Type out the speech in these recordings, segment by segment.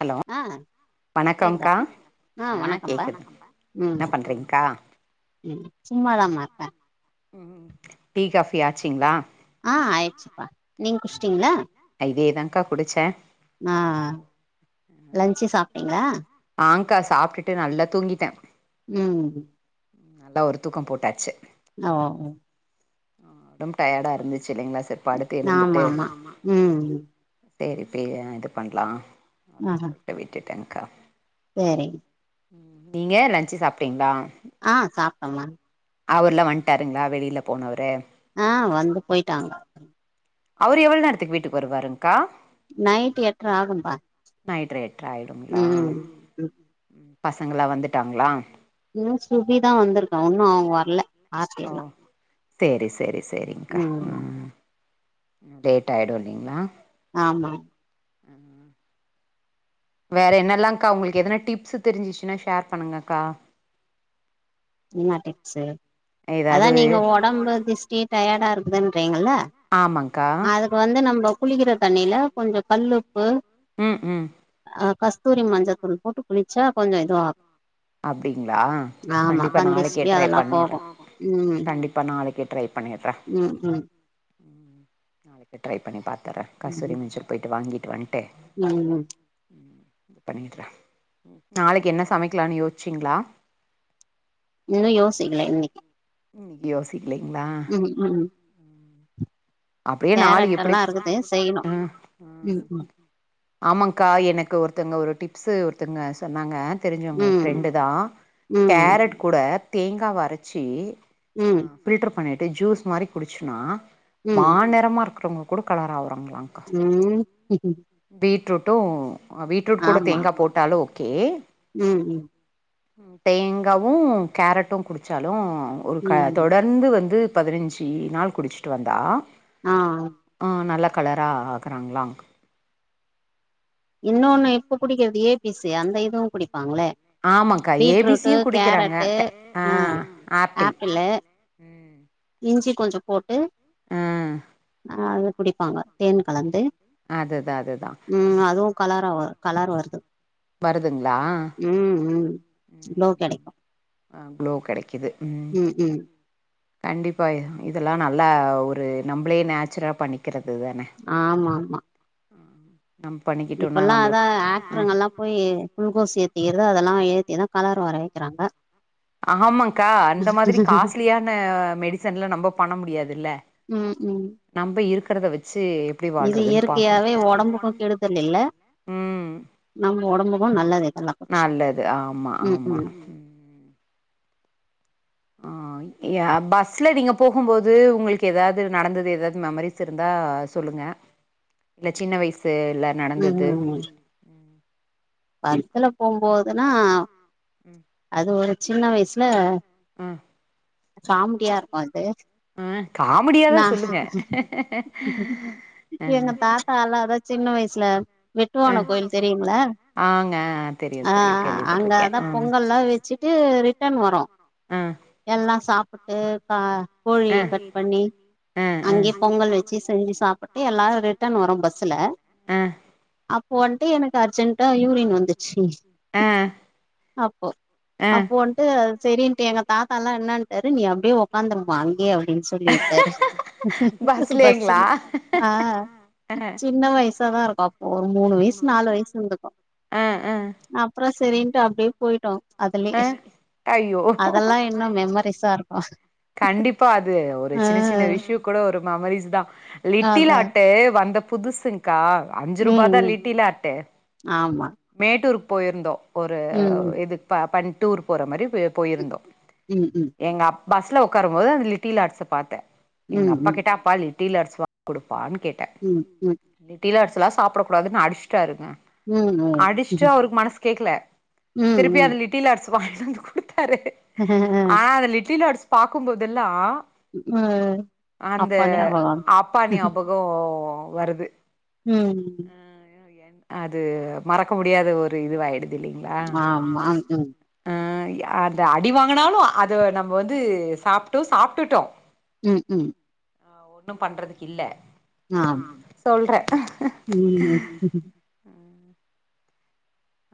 hello ஆ வணக்கம்கா கேக்குதாப்பா ஆ வணக்கம்ப்பா ம் என்ன பண்றீங்க்கா ம் சும்மாதாமா வெப்பே ம் டீ காஃபி ஆச்சிங்களா ஆ ஆய்டுச்சிப்பா நீங்க குஷ்ட்டீங்களா ஐ இதேதான்ங்கா குடிச்சே ஆ லன்ச்சு சாப்ட்டீங்களா ஆங்க்கா சாப்டுட்டு நல்லா தூங்கிட்டே ம் ம் நல்லா ஒரு தூக்கம் போட்டாச்சு ஆவ் அ ஒடம்பு டயர்டா இருந்துச்சு இல்லைங்களா சரி படுத்து ஆமா எழுந்துட்டு ஆமா ம் சரிப்ப இது பண்ணலா அப்படின்னு சொல்லிட்டு விட்டுட்டேன்கா சேரி ம் நீங்க லஞ்ச்சு சாப்ட்டீங்களா ஆ சாப்ட்டம்மா அவர்லா வன்ட்டாருங்களா வெளியில போனவரு ஆ வந்து போயிட்டாங்க அவரு எவ்வளவு நேரத்துக்கு வீட்டுக்கு வருவாருங்க்கா நைட்டு எட்டற ஆகும்ப்பா நைட் எட்ர ஆயிடுங்களா ம் பசங்களா வந்துட்டாங்களா இன்னு சுபிதா வந்துருக்கா ஒன்னு அவுங்க வர்ல ஓ செரி செரி செரி்ங்கா ம் லேட்டாயிடு இல்லிங்ளா ஆமா வேற என்னெல்லாக்கா ஒங்ளுக்கு எதனா டிப்ஸு தெரிஞ்சிச்சின்னா ஷேர் பண்ணுங்கக்கா இன்னா டிப்ஸு அதா ஏதாவது நீங்க ஒடம்பு திஷ்டி டயர்டாருக்குதுன்றீங்கல்ல ஆமாங்க்கா இப்ப வந்து நம்ம குளிக்கிற தண்ணில கொஞ்சோ கல்லுப்பு ம் ம் ஆ கஸ்தூரி மஞ்சள்த்தூள் போட்டு குளிச்சா கொஞ்சோ இதுவாக் அப்டிங்ளா கண்டிப்பா நாளைக்கே கந்திஷ்டி ட்ரை அதெல்லாம் பண்ணிர்றே போகும் ம் கண்டிப் பா நாளைக்கே ட்ரை பண்ணிர்றே ம் ம் ட்ரை பண்ணி பாத்துர்றே ம் கஸ்தூரி மஞ்சள் போயிட்டு வாங்கிட்டு வந்ட்டு ம் ம் பண்ணிர்றே நாளைக்கி என்ன சமைக்கலான் யோச்சீங்ளா இன்னு யோசிக்ல இன்னிக்கி யோசிக்கிலீங்ளா ம் ம் அப்டியே நாளு ம் கேரட் எப்டி எல்லாம் இருக்குது செய்யணும் ம் ம் ம் ஆமாங்க்கா எனக்கு ஒருத்தவங்க ஒரு டிப்ஸு ஒருத்தவங்க சொன்னாங்க தெரிஞ்சவங்க ம் ஃப்ரெண்டு தா ம் கேரட் கூட தேங்காவ அரச்சி ம் பில்டர் பண்ணிட்டு ஜூஸ் மாரி குடிச்சோனா ம் மாநெரமா இருக்கறவங்க கூட கலராவுறாங்ளா ம் பீட்ரூட்டு அ பீட்ரூட் கூட ஆமா தேங்கா போட்டாலு ஓகே ம் ம் தேங்காவு கேரட்டு குடிச்சாலு ஒரு க ம் தொடர் ந்து வந்து பதினெஞ்சு நாள் குடிச்சிட்டு வந்தா ஆ அ நல்ல கலரா ஆகுறாங்ளா இன்னொன்னு இப்ப குடிக்கிறது ஏ பி சி அந்த இதுவு குடிப்பாங்ளே ஆமாக்கா பீட்ரூட்டு் ஏபிசியு குடிக்கிறாங்க கேரட்டு கெ ஆ அ ஆப்பிள் ஆப்பிளு இஞ்சி கொஞ்சோ போட்டு ஆ அத குடிப்பாங்க தேன் கலந்து அதுதா அதுதா ம் அதுவு கலராவ கலரு வருது வருதுங்ளா ம் ம் க்ளோ கெடைக்கு ஆ க்ளோ ம் ம் கண்டிப்பாக இதெல்லா நல்லா ஒரு நம்புளே நேச்சுரா பண்ணிக்கிறது தனே ஆமா ஆமா நம் பண்ணிக்கிட்டோனா நம்புளுக் அ போயி குளுகோஸ் ஏத்திக்கிறது அதெல்லா ஏத்திதா கலர் வர வெக்கறாங்க ஆமாக்கா அந்த மாதிரி காஸ்ட்லியான மெடிசன்லா நம்ம பண்ண முடியாதுல்ல ம் ம் நம்ப இருக்கறத வெச்சு எப்டி இது வாழ்றதுன் பாக்கனு இயற்கையாவே ஒடம்புக்கு கெடுதல் இல்ல ம் நம்ம ஒடம்புக்கு நல்லது இதலா நல்லது ஆமா ஆமா ம் ஆ ய பஸ்ல நீங்க போகும்போது உங்களுக்கு எதாவது நடந்தது எதாவது மெமரிஸ் இருந்தா சொல்லுங்க இல்ல சின்ன வயசு ல ம் நடந்தது பஸ்ஸுல போம்போதுன்னா ம் அது ஒரு சின்ன வயசுல ம் காமடியா இருக்கு அது ஆ காமெடியாதா நா சொல்லுங்க அ அதா அதா சின்ன வயசுல அ வெட்டுவான கோயில் தெரியுங்கள ஆங்க தெரியு ஆ தெரியு கேள்விப்பட்டிருக்கே அங்கதா ம் பொங்கல்லா வெச்சுட்டு ரிட்டன் வரோ ஆ எல்லா சாப்புட்டு கா கோழி ஆ கட் பண்ணி ஆ ஆ அங்கயே பொங்கல் வெச்சு செஞ்சு சாப்புட் டு எல்லாரு ரிட்டன் வர்றோ பஸ்ஸுல அ அப்ப வன்ட்டு எனக்கு அர்ஜென்டா யூரின் வந்துச்சு ஆ அப்போ ஆ அப்போ வன்ட்டு செரின்ட்டு எனக் தாத்தால்லா என்னன்ட்டாரு நீ அப்டியே உக்காந்துக்கோ அங்கயே அப்டின் சொல்லி உட்டாரு பஸ்லேங்களா பஸ்ஸுலே ஆ ஆ சின்ன வயசாதா இருக்கு ஒரு மூணு வயசு நாலு வயசு இருந்துக்கு ம் ம் அப்புற செரின்ட்டு அப்டியே போயிட்டோ அதுலே ஆ ஐயோ அதெல்லா இன்னு மெமரிஸா இருக்கு கண்டிப்பா அது ஒரு ஆ சின்ன சின்ன விஷ்ய கூட ஒரு மெமரிஸ் தா லிட்டில் அதா ஹாட்டு வந்த புதுசுங்க்கா அஞ்சு ம் ருபாதா ம் லிட்டில் ஹாட்டு ஆமா மேட்டூருக் போயிருந்தோ ஒரு ம் இது ப பன் டூர் போற மாரி போ போயிருந்தோ ம் ம் எங்க பஸ்ல உக்காரும் போது அந்த லிட்டில் ஹார்ட்ஸ பாத்த எங்க ம் அப்பா ம் கிட்ட அப்பா லிட்டில் ஹாட்ஸ் வாங்கி குடுப்பான்னு கேட்ட ம் ம் லிட்டல் ஹாட்ஸ்லா சாப்படக் கூடாதுன் அடிச்சுட்டாருங்க ம் அடிச்ட்டு ம் அவருக்கு மனசு கேக்கல திருப்பி அது ம் லி ட்டில் ஹாட்ஸ் வாங்கிட்டு வந்து குடுத்தாரு ம் ஆனா அந்த லிட்டில் ஹாட்ஸ் பாக்கும்போதெல்லா ம் அந்த அப்பா ஞாபகோ வருது அப்பா ஞாபக வருது ம் அது மறக்க முடியாத ஒரு இதுவாயிடுது இல்லிங்ளா ஆமா ம் அ அந்த அடி வாங்குனாலு அத நம்ம வந்து சாப்டு சாப்ட்டுட்டோ ம் ம் ஆ ஒன்னு பண்றதுக்கு இல்ல ஆமா சொல்றே ம் ம் [inaudible]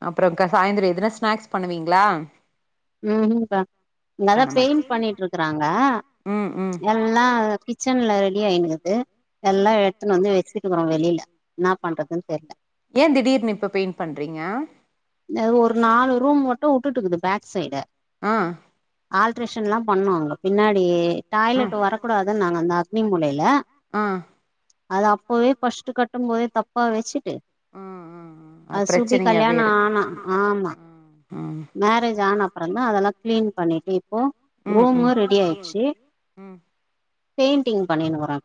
அப்புற க்கா சாயந்தர எதுனா ஸ்நாக்ஸ் பண்ணுவீங்ளா ம்ங்கா அங்கதா பண்ண மாட்ட பெயிண்ட் பண்ணிட்டு இருக்குறாங்க ம் ம் எல்லா கிச்சன்ல ரெடி ஆயிடுது ம் எல்லா எடுத்துன்னு வந்து வெச்சு க்கறோ வெளியில என்னா பண்றதுன் தெர்ல ஏ திடீர்னு இப்ப பெயிண்ட் பண்றீங்க த ஒரு நாலு ரூம் மட்டு உட்டுட்டுக்குது பேக் சைடு ஆ ஆல்ட்ரேஷன்லா பண்ணோ அதுல பின்னாடி டாய்லெட் வரக்கூடாது நாங்க அந்த அக்னி மூலைல்ல ஆ அது அப்பவே ஃபஸ்ட்டு கட்டும்போதே தப்பா வெச்சுட்டு ஆ ஆ ஆ அது சுபி பிரச்சனையாவே கல்யாண இரு ஆ ஆனா ஆமா ம் மேரேஜ் ஜானப்பறந்தா அதெல்லா கிளீன் பண்ணிட்டு இப்போ ம் ரூமு ரெடி ஆயிடுச்சு ம் பெய்ன்ட்டிங் பண்ணினுக்குறோ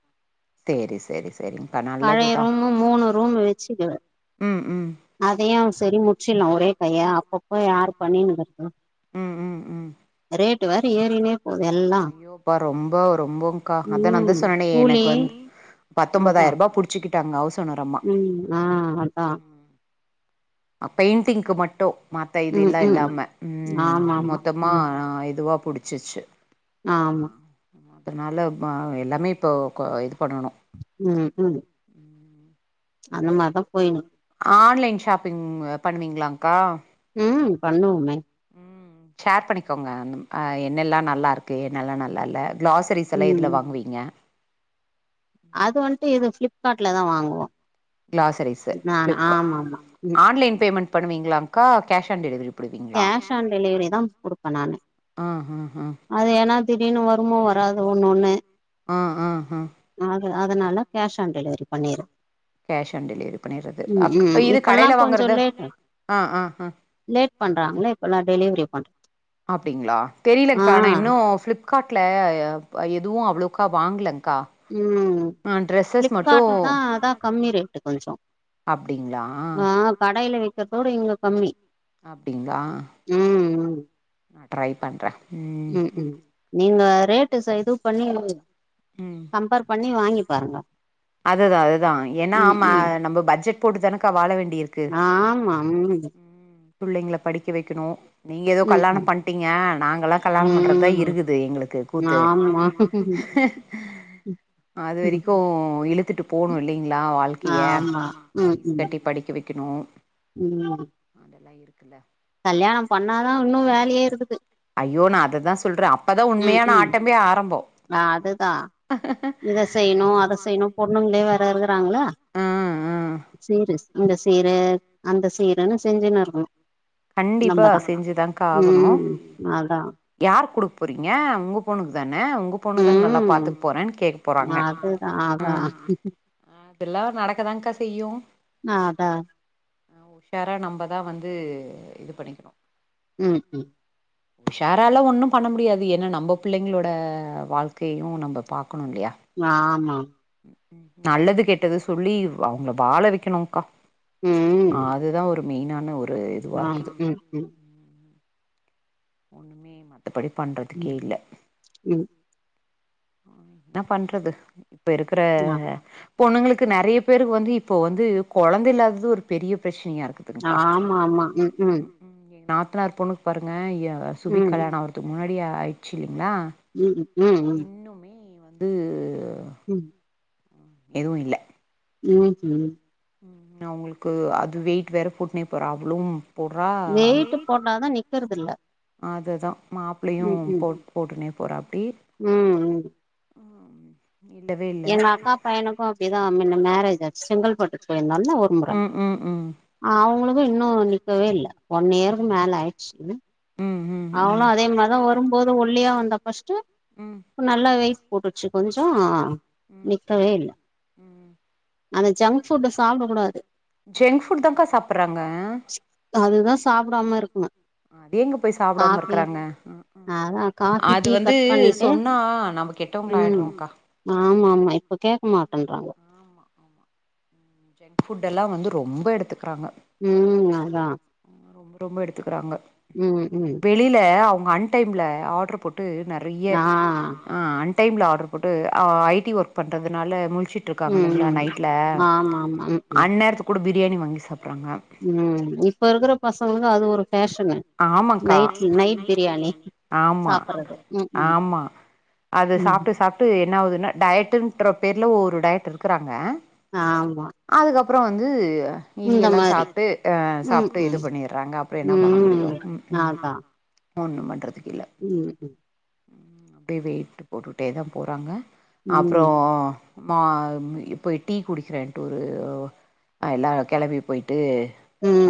சேரி சேரி சேரிங்க்கா பழைய நல்லதுதா ரூமு மூனு ரூமு வச்சுது ம் ம் அதயு சரி முச்சிட்லா ஒரே கையா அப்பப்ப யாரு பண்ணினுக்கிர்க்கது ம் ம் ம் ரேட்டு வேற ஏறினே போது எல்லா அப்பா ரொம்ப ரொம்பக்கா அத நாந்தா ம் சொன்னேனே எனக்கு கூலி வந்து அதா பத்தொம்பதாயிர்பா புடிச்சுக்கிட்டாங்க ஹவுஸ் ஓனரம்மா ம் ஆ அதா அ பெயிண்டிங்க்கு மட்டு மத்த ம் இதுல்லா ம் இல்லாம ஆமா ஆமா மொத்தமா ம் இதுவா புடிச்சிச்சி ஆமா அதனால எல்லாமே இப்போ இது பண்ணனு ம் ம் அந்த மாரிதா போயினு இருக் ஆன்லைன் ஷாப்பிங் பண்வீங்ளாக்கா ம் பண்ணுவோமே ஷேர் பண்ணிக்கோங்க என்னெல்லா நல்லாருக்கு என்னெல்லா நல்லால்ல கிளாஸ் க்ரோசரிசல்லா எதுல ம் வாங்வீங்க அது வந்துட்டு இது ஃப்ளிப்காட்ல தா வாங்குவோ குளோசரிஸ் நானு பிளிப்காட் ஆமா ஆமா ம் ஆன்லைன் பேமெண்ட் பண்ணுவீங்ளாக்கா கேஷ் ஆன் டெலிவரி போடுவீங்களா கேஷ் ஆன் டெலிவரி தா குடுப்ப நானு ஆ ஆ ஆ அது ஏனா திடீர்னு வருமோ வராதோ ஒன்னு ஒன்னு ஆ ஆ ஆ அது அதனால கேஷ் ஆன் டெலிவரி பண்ணிறு கேஷ் ஆன் டெலிவரி பண்ணிறது அக் ம் இது இப்பல்லா கடைல கொஞ்சோ வாங்குறது ஆ ஆ ஆ பண்றாங்ள இப்ப எல்லா டெலிவரி பன் அப்டிங்ளா தெரிலிங்க்கா நா இன்னு பிளிப் காட்ல எதுவு அவ்ளோக்கா வாங்லக்கா ம் ஃப்ளிப்கார்ட்டுதா அதா கம்மி ரேட்டு் கொஞ்சொ அப்டிங்களா ஆ கடைல விக்றதோட இங்க கம்மி அப்டிங்ளா ம் ம் ட்ரை பண்ற ம் நீங்க ரேட்டு ச இதுவ் பண்ணி ம் கம்பேர் பண்ணி வாங்கி பாருங்க அதுதா அதுதா ஏனா ம் ஆமா ம் நம்ம பட்ஜெட் போட்டு தானக்கா வாழ வேண்டியிருக்கு ஆ புள்ளைங்கள படிக்க வெக்கணு நீங்க எதோ ம் கல்லாணோ ம் பண்ட்டிங்க நாங்கல்லா கல்லாணம் பண்றதா ம் இருக்குது எங்குளுக்கு கூத்து ஆமா அது வெரிக்கு இழுத்துட்டு போணு இல்லிங்ளா வாழ்க்கிய ஆமா ம் ஃபீஸ் ம் கட்டி படிக்க வெக்கனு ம் அதெல்லா இருக்குல்ல கல்யாணம் பண்ணாதா உன்னூ வேலயே இருக்குது ஐயோ நா அததா சொல்ற அப்பதா ம் உண்மயான ம் ஆட்டமே ஆரம்போ அதுதா இத செய்யணு அத செய்யணு பொண்ணுங்ளே வேற இருக்குறாங்ளே ம் ம் சீருஸ் இந்த சீரு அந்த சீருன்னு செஞ்சினு இருக்குணு கண்டிப்பா செஞ்சுதான்கா ஆகணு ம் அதா யார்க் குடுக் போறிங்க உங்க பொண்ணுக்கு தான உங்க பொண்ணு தான நல்லா பாத்துக்கு போறேன் கேக் ம் அதுதா அதா இதுல்லா நடக்கதாங்க்கா செய்யு நா அதா ஆ உஷாரா நம்ப தா வந்து இது பண்ணிக்கணோ ம் ம் உஷாராலா ஒண்ணு பண்ண முடியாது ஏனா நம்ம பிள்ளைங்ளோட வாழ்க்கயயு நம்ப பாக்கணுல்லயா ஆமா நல்லது கெட்டது சொல்லி அவுங்ள வாழ வெக்கணும்கா ம் அதுதா ஒரு மெய்னான ஒரு இ ஆ சேரி சேரி ஒன்னுமே மத்தபடி பண்றதுக்கே ம் இல்ல ம் ம் என்ன பண்றது இப்ப இருக்குற ஆ பொண்ணுங்ளுக்கு நெறய பேருக்கு வந்து இப்ப வந்து கொழந்த இல்லாதது ஒரு பெரிய ப்ரச்னயாருக்கு ஆமா ஆமா ம் எங் நாத்தனார் பொண்ணுக்கு பாருங்க எ சுபி ம் கல்யாண அவர்துக்கு முன்னாடி ஆய்ட்ச்சு இல்லிங்ளா ம் ம் ம் உ யா ம் எதுவு இல்ல இன்னக்கி ம் ம் அவுங்குள்க்கு அது வெய்ட் வேற போட்னே போரா அவ்ளும் வெய்ட்டு போட்டாதா நிக்கறதுல்ல அது தா மாப்ளயு போட் போட்டுனே போறாப்டி ம் ம் ம் இல்லவே இல்ல எங்க அக்கா பையனுக்கும் அப்டிதான் மேரேஜ் ஆச்சு செங்கல்பட்டுக்கு போயிருந்தான் நல்ல ஒரு ம் ம் ம் அவங்களுக்கும் இன்னும் நிக்கவே இல்ல ஒன் இயருக்கு மேல ஆயிடுச்சு ம் ம் அவளும் ம் அதே மாரிதான் வரும்போது ஒல்லியா வந்தா ஃபர்ஸ்ட்டு ம் நல்லா வெயிட்டு போட்ருச்சு கொஞ்சோம் ம் ம் அந்த ஜங்க் ஃபுட்டு சாப்ட கூடாது ஜங்க் புட் தான்க்கா சாப்புடுறாங்க அதுதான் சாப்பிடாம இருக்கணும் அது எங்க போய் சாப்பிடாம இருக்கறாங்க அதா காஃபி அது டீ வந்து கட் பண்ணிட்டு சொன்னா நம்ம கெட்டவங்க ம் ஆயிடுறோம் ஆமா ஆமா இப்ப கேட்க மாட்டேன்றாங்க ஆமா ஆமா ம் ஜங்க் ஃபுட்டெல்லாம் வந்து ரொம்ப எடுத்துகிறாங்க ம் அதான் ரொம்ப எடுத்துக்கிறாங்க ம் ம் வெளியில அவங்க அன் டைம்ல ஆர்டர் போட்டு நறைய ஆ அன் டைம்ல ஆர்டர் போட்டு ஐடி ஒர்க் பண்றதுனால முழிச்சுட்டு இருக்காங்க ம் இல்லைங்களா ம் நைட்ல ஆமா ஆமா ம் ம் அந்நேரத்து கூட பிரியாணி வாங்கி சாப்பறாங்க ம் இப்ப இருக்கிற பசங்களுக்கு அது ஒரு ஃபேஷனு ஆமாக்கா நைட் பிரியாணி ஆமா சாப்பறது ம் ம் ஆமா அது ம் சாப்பிட்டு சாப்பிட்டு என்ன ஆகுதுன்னா டயர்டுன்ற பேர்ல ஒரு டயட் இருக்கறாங்க ஆமா அதுக்கப்புறம் வந்து இது இந்த எல்லாம் மாரி சாப்பிட்டு அ ம் சாப்பிட்டு இது ம் பண்ணிடுறாங்க அப்புறம் பண்ண ம் முடியும் உம் உ அதா ஒன்னும் பண்றதுக்கு இல்ல ம் ம் வெயிட் போட்டுட்டே தான் போறாங்க ம் அப்புறம் மா போய் டீ குடிக்கிறேன்ட்டு ஒரு எல்லாம் கிளவி போய்டு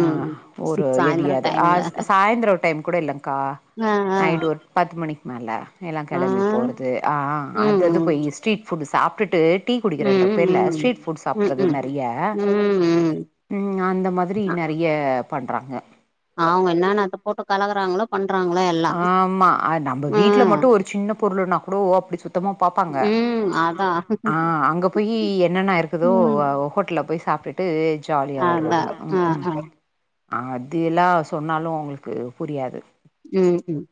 ஆ ஒரு சாய்ந்தர எரியாது ஆ டைம்ல சாயந்தரம் டைம் கூட இல்லக்கா ஆ ஆ நைட்டு் ஒரு பத்து மணிக்கு மேலே எல்லாம் ஆ கெளம்பி போறது ம் அதது ம் போய் ஸ்ட்ரீட் ஃபுட்டு் சாப்பிட்டுட்டு டீ ம் குடிக்கிறது தப்பே இல்ல ம் ஸ்ட்ரீட் ஃபுட்ஸ் ம் சாப்பிடுறது ம் நெறைய ம் ம் உம் அது மாரி நெறைய பண்றாங்க அவங்க என்னன்னத்த போட்டு கலக்குறாங்களோ பண்றாங்க எல்லாம் ஆமா நம்ம வீட்டுல மட்டும் ஒரு சின்ன பொருள்னா கூட அப்படி சுத்தமா பாப்பாங்க ம் அதா ஆ அங்க போய் என்னென்ன இருக்குதோ ம் ஹோட்டல்ல போய் சாப்பிட்டு ட்டு ஜாலியா அதா வருவாங்க ஆ ம் ம் ஆ அதுயெல்லாம் அவங்களுக்கு சொன்னாலும் புரியாது ம் ம்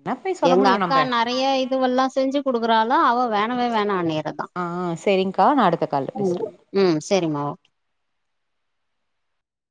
என்ன போய் சொல்ல எங்க முடியு அக்கா நம்ப ந நறைய இதுவெல்லாம் செஞ்சு கொடுக்குறாலாம் அவ வேணவே வேணனாறா ஆ செரிங்க்கா நான் அடுத்த கால ம் பேசுறேன் ம் செரிம்மா